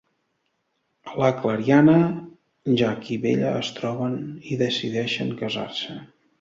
A la clariana, Jack i Bella es troben i decideixen casar-se.